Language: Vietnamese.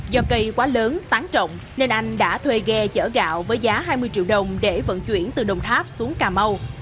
do cây quá lớn tán trộn nên anh đã thuê ghe chở gạo với giá hai mươi triệu đồng để vận chuyển từ đồng tháp xuống cà mau